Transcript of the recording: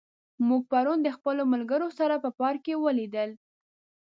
موږ پرون د خپلو ملګرو سره په پارک کې ولیدل.